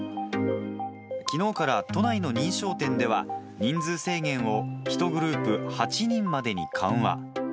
きのうから都内の認証店では、人数制限を１グループ８人までに緩和。